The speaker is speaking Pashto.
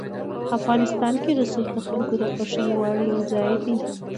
افغانستان کې رسوب د خلکو د خوښې وړ یو ځای دی.